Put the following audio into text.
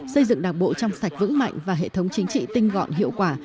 xây dựng đảng bộ trong sạch vững mạnh và hệ thống chính trị tinh gọn hiệu quả